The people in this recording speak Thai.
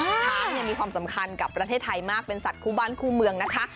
ช้างมีความสำคัญกับประเทศไทยมากเป็นสัตว์คู่บ้านคู่เมืองนะคะ